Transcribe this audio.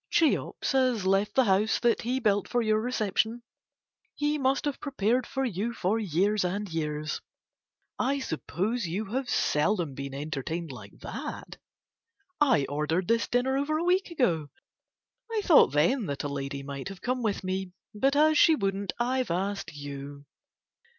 Cheops has left the house that he built for your reception, he must have prepared for you for years and years. I suppose you have seldom been entertained like that. I ordered this dinner over a week ago. I thought then that a lady might have come with me, but as she wouldn't I've asked you.